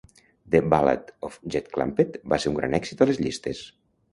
"The Ballad of Jed Clampett" va ser un gran èxit a les llistes.